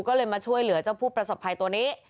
ก็เลยมาช่วยเหลือเจ้าผู้ประสบภัยตัวนี้